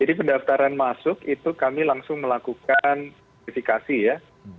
jadi pendaftaran masuk itu kami langsung melakukan notifikasi ya